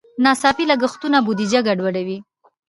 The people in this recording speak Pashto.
ناڅاپي لګښتونه بودیجه ګډوډوي.